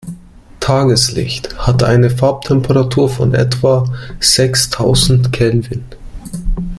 Tageslicht hat eine Farbtemperatur von etwa sechstausend Kelvin.